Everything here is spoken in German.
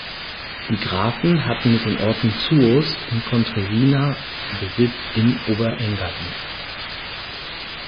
Die Grafen hatten mit den Orten Zuoz und Pontresina Besitz im Oberengadin.